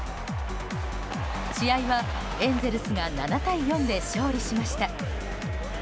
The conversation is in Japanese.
試合はエンゼルスが７対４で勝利しました。